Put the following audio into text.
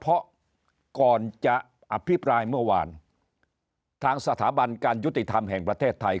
เพราะก่อนจะอภิปรายเมื่อวานทางสถาบันการยุติธรรมแห่งประเทศไทย